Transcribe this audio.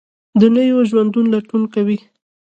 د نویو ژوندونو لټون کول